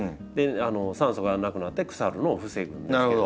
酸素がなくなって腐るのを防ぐんですけど。